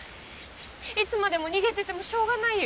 いつまでも逃げててもしょうがないよ。